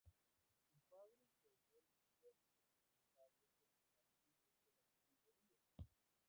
Su padre y su abuelo fueron los responsables de los jardines de las Tullerías.